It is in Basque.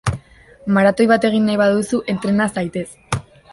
Maratoi bat egin nahi baduzu, entrena zaitez!